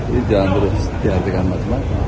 jangan terus dihatikan macam macam